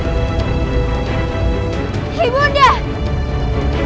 perlu semua bipartisan denganmu